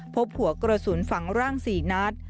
พบหัวกระสุนฝังร่าง๔นัด